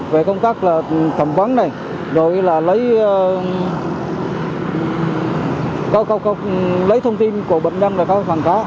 về công tác là thẩm vấn này rồi là lấy thông tin của bệnh nhân là có phần khó